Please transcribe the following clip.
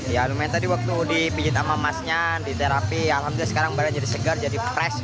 ya lumayan tadi waktu dipijat sama masnya di terapi alhamdulillah sekarang barangnya jadi segar jadi fresh